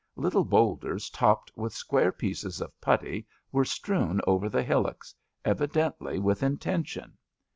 Little boulders topped with square pieces 172 ABAFT THE FUNNEL of putty were strewn over the hillocks— evidently with intention.